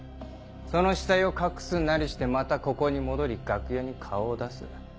その死体を隠すなりしてまたここに戻り楽屋に顔を出す。